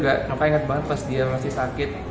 waktu idol juga aku inget banget pas dia masih sakit